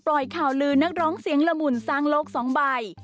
ข่าวลือนักร้องเสียงละมุนสร้างโลก๒ใบ